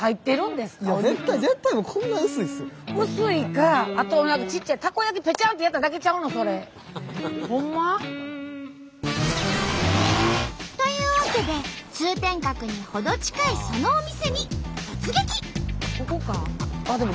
薄いかあとは何かというわけで通天閣に程近いそのお店に突撃！